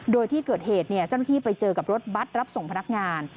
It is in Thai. โดยที่เกิดเหตุเจ้าหน้าที่ไปเจอกับรถบัตรรับส่งพนักงาน